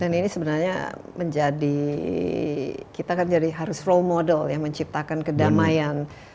dan ini sebenarnya menjadi kita kan jadi harus role model yang menciptakan kedamaian